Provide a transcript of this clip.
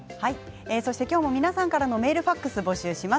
今日も皆さんからメール、ファックスを募集します。